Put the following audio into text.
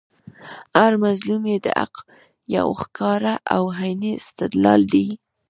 هر مظلوم ئې د حق یو ښکاره او عیني استدلال دئ